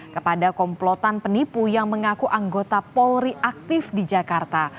kepada komplotan penipu yang mengaku anggota polri aktif di jakarta